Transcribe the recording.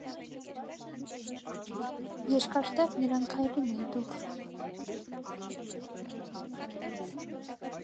Երկար տեղ նրանք քայլում էին լուռ: